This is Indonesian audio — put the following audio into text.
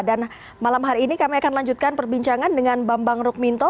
dan malam hari ini kami akan melanjutkan perbincangan dengan bambang rukminto